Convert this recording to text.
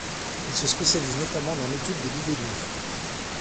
Il se spécialise notamment dans l'étude des libellules.